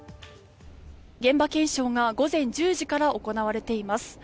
現場検証が午前１０時から行われています。